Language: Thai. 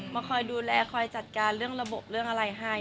มาคอยดูแลคอยจัดการเรื่องระบบเรื่องอะไรให้